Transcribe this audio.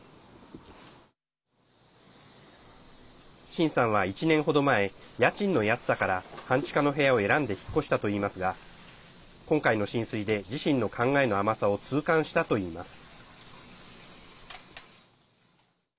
シンさんは、１年程前家賃の安さから半地下の部屋を選んで引っ越したといいますが今回の浸水で自身の考えの甘さを痛感したといいます。